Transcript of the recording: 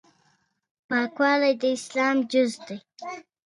د میرمنو کار د تبعیض مخه نیسي.